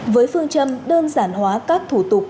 với phương châm đơn giản hóa các thủ tục